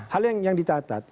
hal yang ditatat